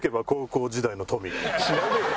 知らねえよ！